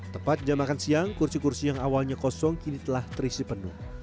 tepat jam makan siang kursi kursi yang awalnya kosong kini telah terisi penuh